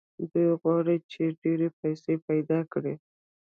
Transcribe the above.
دوی غواړي چې ډېرې پيسې پيدا کړي.